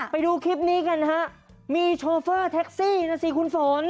ไปดูคลิปนี้กันฮะมีโชเฟอร์แท็กซี่นะสิคุณฝน